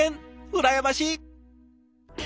羨ましい！